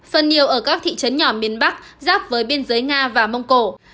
phần nhiều ở các thị trấn nhỏ miền bắc giáp với biên giới nga và mông cổ